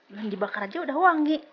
bahan dibakar aja udah wangi